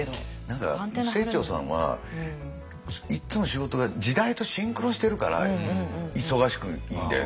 何か清張さんはいっつも仕事が時代とシンクロしてるから忙しくいんだよね。